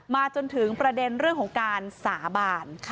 จนถึงประเด็นเรื่องของการสาบาน